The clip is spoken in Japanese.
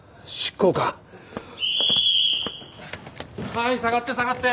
はい下がって下がって。